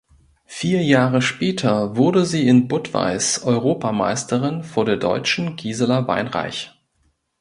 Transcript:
Vier Jahre später wurde sie in Budweis Europameisterin vor der Deutschen Gisela Weinreich.